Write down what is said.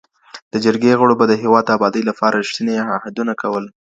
د جرګي غړو به د هیواد د ابادۍ لپاره رښتیني عهدونه کول.